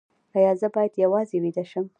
ایا زه باید یوازې ویده شم؟